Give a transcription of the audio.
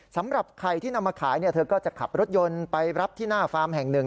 สำหรับไข่ที่นำมาขายเธอก็จะขับรถยนต์ไปรับที่หน้าฟาร์มแห่งหนึ่ง